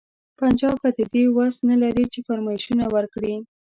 پنجاب به د دې وس نه لري چې فرمایشونه ورکړي.